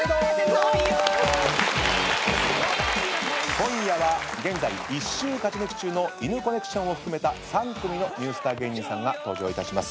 今夜は現在１週勝ち抜き中のイヌコネクションを含めた３組のニュースター芸人さんが登場いたします。